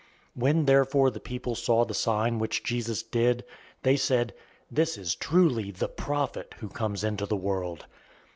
006:014 When therefore the people saw the sign which Jesus did, they said, "This is truly the prophet who comes into the world."